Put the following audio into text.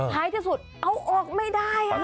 ท้ายที่สุดเอาออกไม่ได้